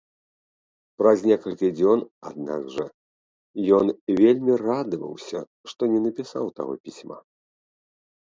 Праз некалькі дзён аднак жа ён вельмі радаваўся, што не напісаў таго пісьма.